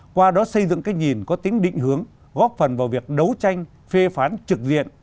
qua đó xây dựng cách nhìn có tính định hướng góp phần vào việc đấu tranh phê phán trực diện